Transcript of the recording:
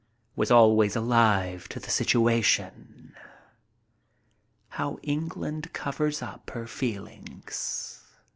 Was always alive to the situation. How England covers up her feelings